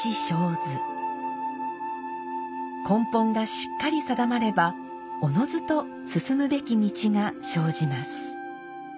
根本がしっかり定まればおのずと進むべき道が生じます。